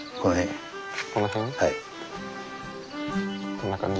こんな感じ？